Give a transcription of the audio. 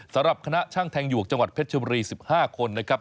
สำหรับคณะช่างแทงหยวกจังหวัดเพชรชบุรี๑๕คนนะครับ